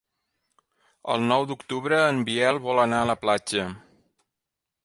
El nou d'octubre en Biel vol anar a la platja.